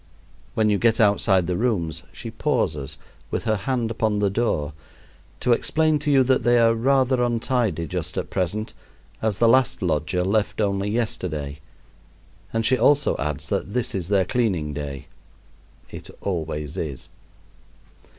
When you get outside the rooms she pauses, with her hand upon the door, to explain to you that they are rather untidy just at present, as the last lodger left only yesterday; and she also adds that this is their cleaning day it always is.